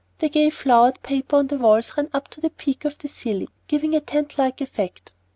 The gay flowered paper on the walls ran up to the peak of the ceiling, giving a tent like effect.